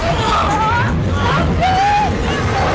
astrid tanggung jawab